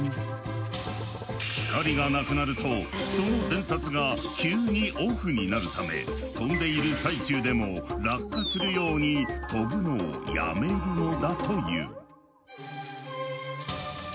光がなくなるとその伝達が急にオフになるため飛んでいる最中でも落下するように飛ぶのをやめるのだという。